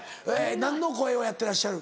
何の声をやってらっしゃる？